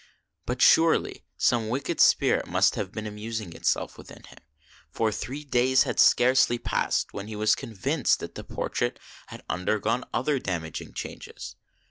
But, surely, some wicked spirit must have been amusing itself with him ; for three days had scarcely passed when he was convinced that the portrait had again undergone other damag ing changes.